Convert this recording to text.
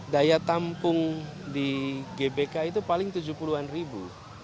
daya tampung di gbk itu paling tujuh puluh an ribu